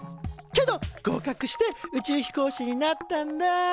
けど合格して宇宙飛行士になったんだ。